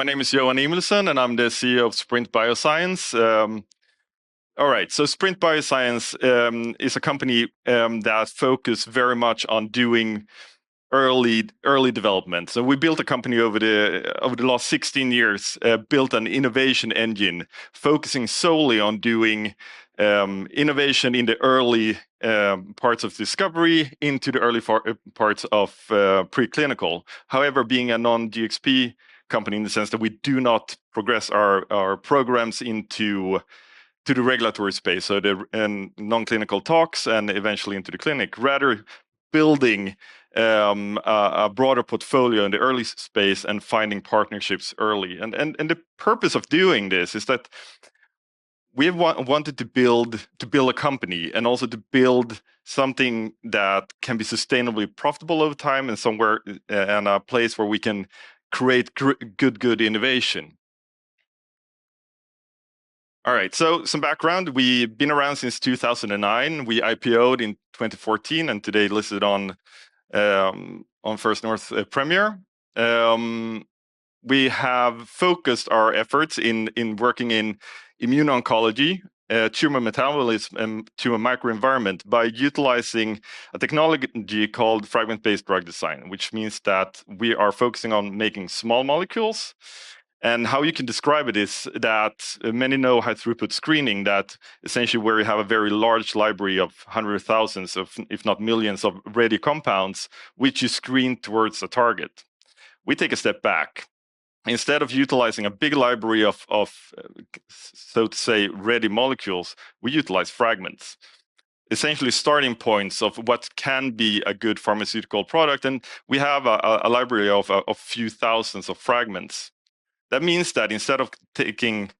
My name is Johan Emilsson, and I'm the CEO of Sprint Bioscience. All right, Sprint Bioscience is a company that focuses very much on doing early development. We built a company over the last 16 years, built an innovation engine focusing solely on doing innovation in the early parts of discovery into the early parts of preclinical. However, being a non-GXP company in the sense that we do not progress our programs into the regulatory space, the non-clinical talks and eventually into the clinic, rather building a broader portfolio in the early space and finding partnerships early. The purpose of doing this is that we wanted to build a company and also to build something that can be sustainably profitable over time and somewhere in a place where we can create good innovation. All right, some background. We've been around since 2009. We IPO'd in 2014 and today listed on First North Premier. We have focused our efforts in working in immune oncology, tumor metabolism, and tumor microenvironment by utilizing a technology called fragment-based drug design, which means that we are focusing on making small molecules. How you can describe it is that many know high-throughput screening, that essentially where you have a very large library of hundreds of thousands, if not millions, of ready compounds, which you screen towards a target. We take a step back. Instead of utilizing a big library of, so to say, ready molecules, we utilize fragments, essentially starting points of what can be a good pharmaceutical product. We have a library of a few thousands of fragments. That means that instead of taking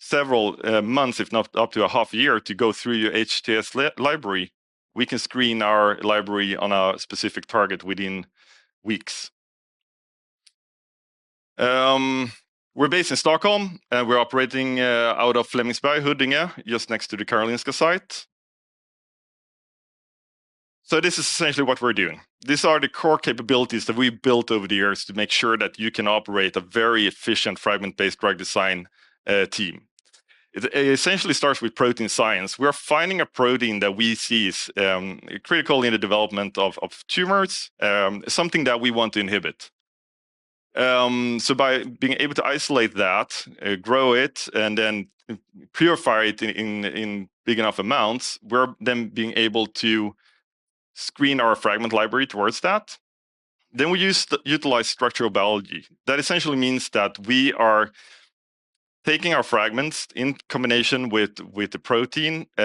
several months, if not up to half a year, to go through your HTS library, we can screen our library on a specific target within weeks. We're based in Stockholm, and we're operating out of Flemingsberg, Huddinge, just next to the Karolinska site. This is essentially what we're doing. These are the core capabilities that we built over the years to make sure that you can operate a very efficient fragment-based drug design team. It essentially starts with protein science. We are finding a protein that we see is critical in the development of tumors, something that we want to inhibit. By being able to isolate that, grow it, and then purify it in big enough amounts, we're then being able to screen our fragment library towards that. We utilize structural biology. That essentially means that we are taking our fragments in combination with the protein. We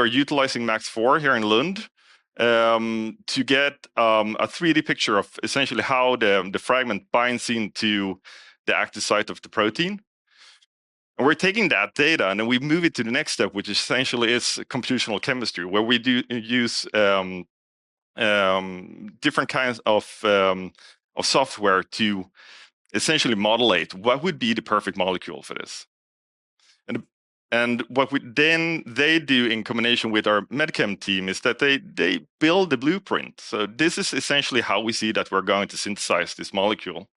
are utilizing MAX IV here in Lund to get a 3D picture of essentially how the fragment binds into the active site of the protein. We are taking that data, and then we move it to the next step, which essentially is computational chemistry, where we use different kinds of software to essentially model it, what would be the perfect molecule for this. What they do in combination with our MedChem team is that they build the blueprint. This is essentially how we see that we are going to synthesize this molecule.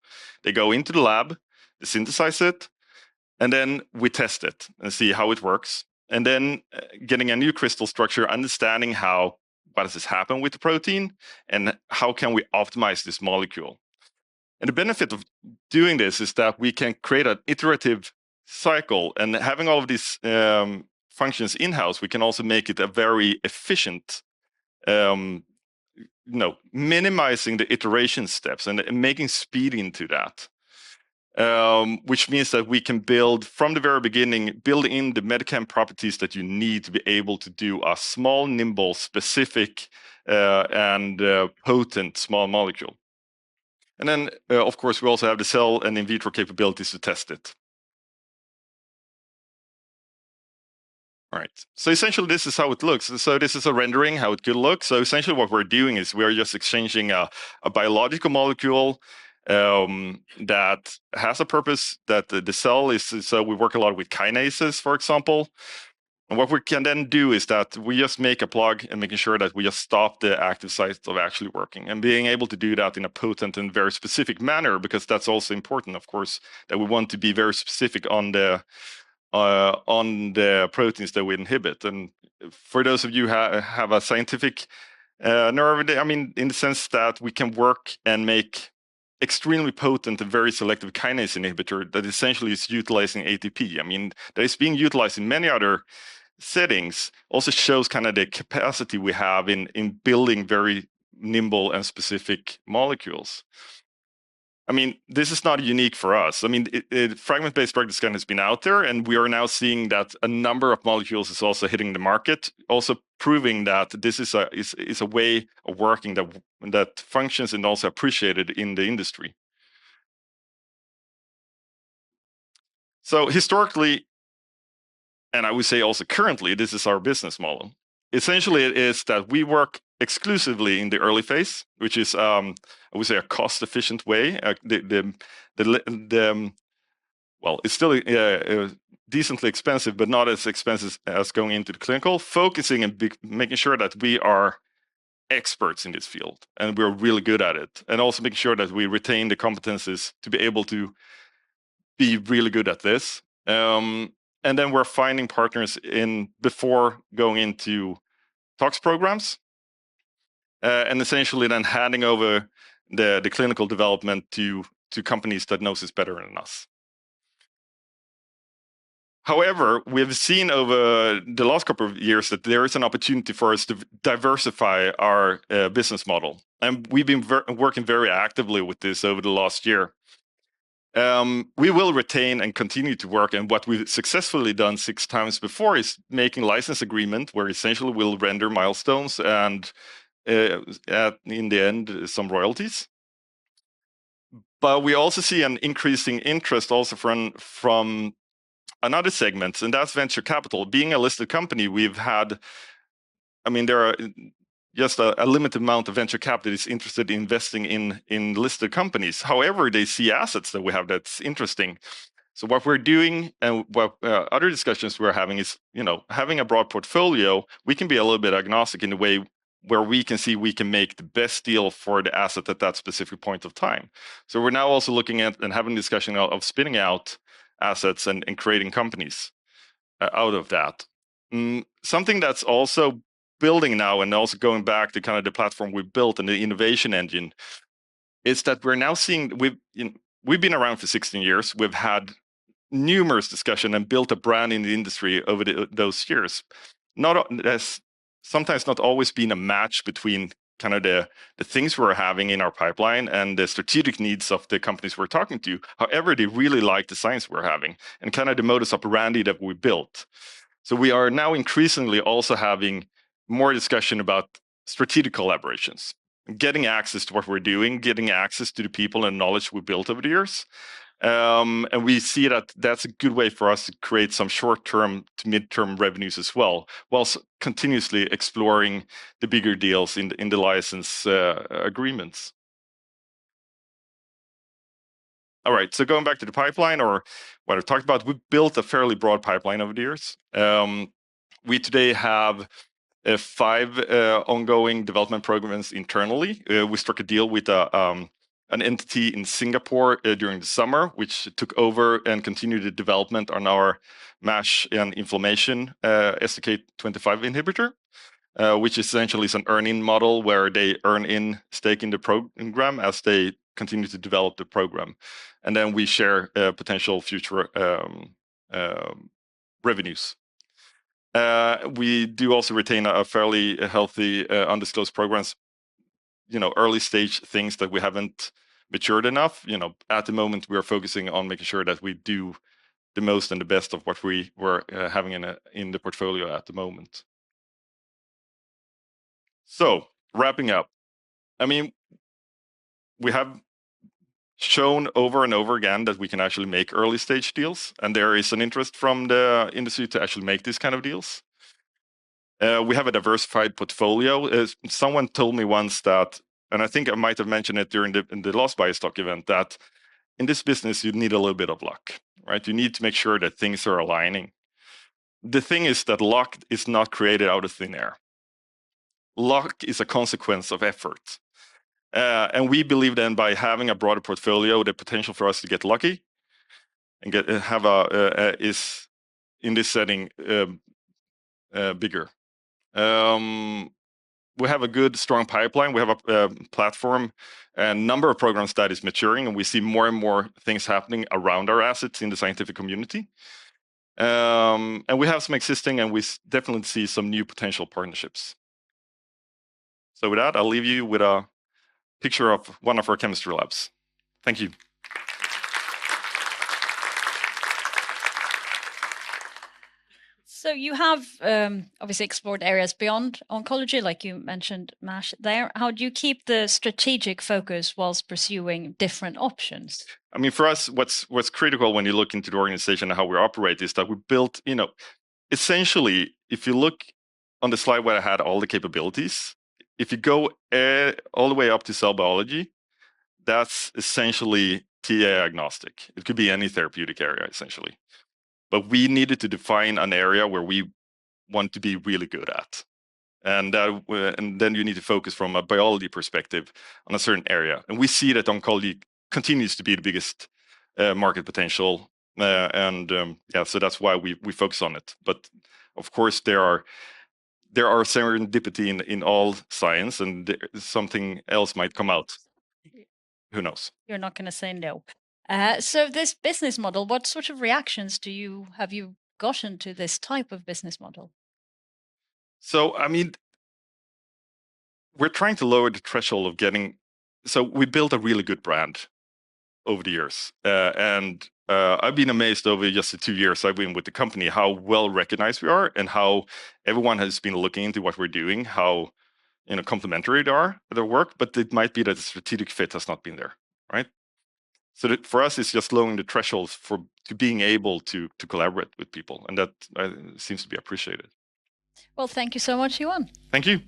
They go into the lab, they synthesize it, and we test it and see how it works. Getting a new crystal structure, understanding what has happened with the protein and how we can optimize this molecule. The benefit of doing this is that we can create an iterative cycle. Having all of these functions in-house, we can also make it very efficient, minimizing the iteration steps and making speed into that, which means that we can build from the very beginning, build in the MedChem properties that you need to be able to do a small, nimble, specific, and potent small molecule. Of course, we also have the cell and in vitro capabilities to test it. All right, essentially this is how it looks. This is a rendering how it could look. Essentially what we are doing is we are just exchanging a biological molecule that has a purpose that the cell is. We work a lot with kinases, for example. What we can then do is that we just make a plug and make sure that we just stop the active site of actually working and being able to do that in a potent and very specific manner, because that's also important, of course, that we want to be very specific on the proteins that we inhibit. For those of you who have a scientific nerve, I mean, in the sense that we can work and make extremely potent and very selective kinase inhibitor that essentially is utilizing ATP. I mean, that is being utilized in many other settings, also shows kind of the capacity we have in building very nimble and specific molecules. I mean, this is not unique for us. I mean, fragment-based drug design has been out there, and we are now seeing that a number of molecules is also hitting the market, also proving that this is a way of working that functions and also appreciated in the industry. Historically, and I would say also currently, this is our business model. Essentially, it is that we work exclusively in the early phase, which is, I would say, a cost-efficient way. It is still decently expensive, but not as expensive as going into the clinical, focusing and making sure that we are experts in this field and we are really good at it, and also making sure that we retain the competencies to be able to be really good at this. We are finding partners before going into talks programs and essentially then handing over the clinical development to companies that know this better than us. However, we have seen over the last couple of years that there is an opportunity for us to diversify our business model. We have been working very actively with this over the last year. We will retain and continue to work. What we have successfully done 6x before is making license agreements where essentially we will render milestones and in the end, some royalties. We also see an increasing interest also from another segment, and that is venture capital. Being a listed company, I mean, there are just a limited amount of venture capitalists interested in investing in listed companies. However, they see assets that we have that are interesting. What we are doing and what other discussions we are having is having a broad portfolio. We can be a little bit agnostic in a way where we can see we can make the best deal for the asset at that specific point of time. We are now also looking at and having a discussion of spinning out assets and creating companies out of that. Something that's also building now and also going back to kind of the platform we built and the innovation engine is that we're now seeing we've been around for 16 years. We've had numerous discussions and built a brand in the industry over those years. Sometimes not always been a match between kind of the things we're having in our pipeline and the strategic needs of the companies we're talking to. However, they really like the science we're having and kind of the modus operandi that we built. We are now increasingly also having more discussion about strategic collaborations, getting access to what we're doing, getting access to the people and knowledge we built over the years. We see that that's a good way for us to create some short-term to mid-term revenues as well, whilst continuously exploring the bigger deals in the license agreements. All right, going back to the pipeline or what I've talked about, we've built a fairly broad pipeline over the years. We today have five ongoing development programs internally. We struck a deal with an entity in Singapore during the summer, which took over and continued the development on our MASH and inflammation STK25 inhibitor, which essentially is an earning model where they earn in staking the program as they continue to develop the program. We share potential future revenues. We do also retain a fairly healthy undisclosed programs, early stage things that we haven't matured enough. At the moment, we are focusing on making sure that we do the most and the best of what we were having in the portfolio at the moment. Wrapping up, I mean, we have shown over and over again that we can actually make early stage deals, and there is an interest from the industry to actually make these kinds of deals. We have a diversified portfolio. Someone told me once that, and I think I might have mentioned it during the last Bioscience talk event, that in this business, you need a little bit of luck. You need to make sure that things are aligning. The thing is that luck is not created out of thin air. Luck is a consequence of effort. We believe then by having a broader portfolio, the potential for us to get lucky and have is in this setting bigger. We have a good, strong pipeline. We have a platform and a number of programs that are maturing. We see more and more things happening around our assets in the scientific community. We have some existing, and we definitely see some new potential partnerships. With that, I'll leave you with a picture of one of our chemistry labs. Thank you. You have obviously explored areas beyond oncology, like you mentioned MASH there. How do you keep the strategic focus whilst pursuing different options? I mean, for us, what's critical when you look into the organization and how we operate is that we built, essentially, if you look on the slide where I had all the capabilities, if you go all the way up to cell biology, that's essentially TA agnostic. It could be any therapeutic area, essentially. We needed to define an area where we want to be really good at. Then you need to focus from a biology perspective on a certain area. We see that oncology continues to be the biggest market potential. Yeah, that's why we focus on it. Of course, there are serendipities in all science, and something else might come out. Who knows? You're not going to say no. This business model, what sort of reactions have you gotten to this type of business model? I mean, we're trying to lower the threshold of getting, so we built a really good brand over the years. I've been amazed over just the two years I've been with the company, how well recognized we are and how everyone has been looking into what we're doing, how complementary they are at their work. It might be that the strategic fit has not been there. For us, it's just lowering the thresholds to being able to collaborate with people. That seems to be appreciated. Thank you so much, Johan. Thank you.